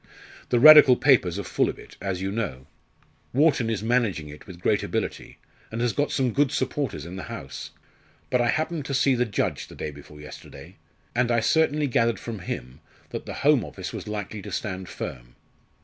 "The Radical papers are full of it, as you know. Wharton is managing it with great ability, and has got some good supporters in the House. But I happened to see the judge the day before yesterday, and I certainly gathered from him that the Home Office was likely to stand firm.